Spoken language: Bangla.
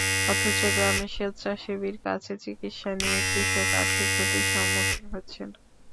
অথচ গ্রামে স্বেচ্ছাসেবীর কাছে চিকিৎসা নিয়ে কৃষক আর্থিক ক্ষতির সম্মুখীন হচ্ছেন।